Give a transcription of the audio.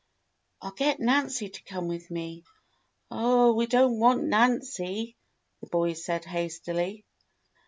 "I'll get Nancy to come with me." "Oh, we don't want Nancy," the boys said hastily.